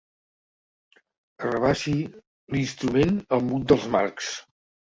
Arrabassi l'instrument al mut dels Marx.